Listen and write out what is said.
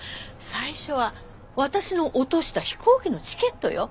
最初は私の落とした飛行機のチケットよ。